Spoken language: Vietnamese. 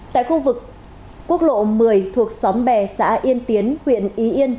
tại khu vực quốc lộ một mươi thuộc xóm bè xã yên tiến huyện ý yên